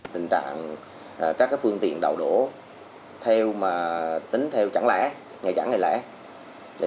tình trạng các phương tiện đậu đổ tính theo ngày chẵn lẻ